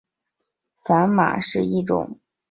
反码是一种在计算机中数的机器码表示。